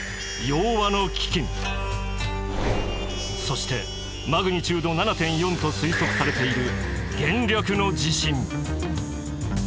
そしてマグニチュード７．４と推測されている元暦の地震。